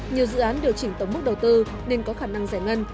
nhiều dự án điều chỉnh tổng mức đầu tư nên có khả năng giải ngân